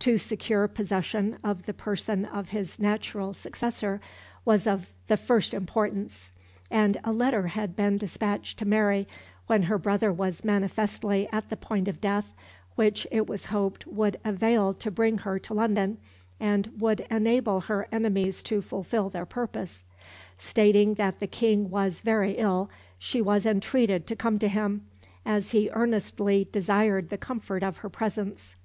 To secure possession of the person of his natural successor was of the first importance; and a letter had been despatched to Mary when her brother was manifestly at the point of death which it was hoped would avail to bring her to London and would enable her enemies to fulfil their purpose. Stating that the King was very ill, she was entreated to come to him, as he earnestly desired the comfort of her presence.